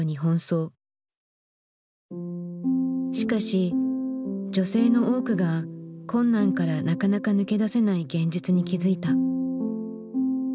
しかし女性の多くが困難からなかなか抜け出せない現実に気付いた。